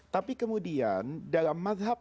tapi kemudian dalam madhab